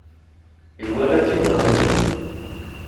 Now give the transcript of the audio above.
Iwala-tt-id Rebbi.